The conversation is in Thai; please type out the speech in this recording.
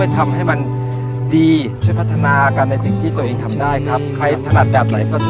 ทำให้ฉันทนโอ้คนดีฉันคงได้พอไปแล้ว